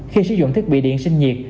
khi sử dụng thiết bị điện sinh nhiệt